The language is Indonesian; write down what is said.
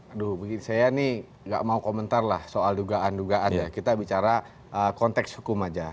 aduh saya ini tidak mau komentar soal dugaan dugaan kita bicara konteks hukum saja